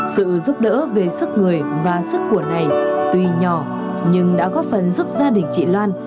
sự giúp đỡ về sức người và sức của này tuy nhỏ nhưng đã góp phần giúp gia đình chị loan